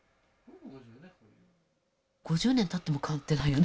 ５０年たっても変わってないよね。